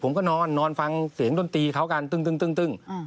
ผมก็นอนนอนฟังเสียงดนตรีเขากันตึ้ง